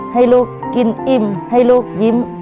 ให้ลูกกินอิ่มให้ลูกยิ้ม